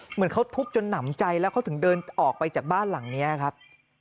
เหมือนเขาทุบจนหนำใจแล้วเขาถึงเดินออกไปจากบ้านหลังนี้ครับ